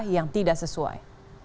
yang tidak sesuai